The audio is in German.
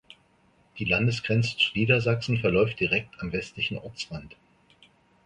Die Landesgrenze zu Niedersachsen verläuft direkt am westlichen Ortsrand.